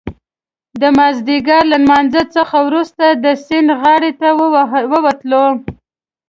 د مازدیګر له لمانځه څخه وروسته د سیند غاړې ته ووتلو.